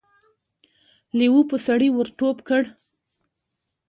لېوه په سړي ور ټوپ کړ.